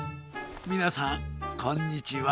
みなさんこんにちは。